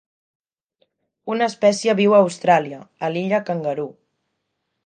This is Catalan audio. Una espècie viu a Austràlia, a l'Illa Kangaroo.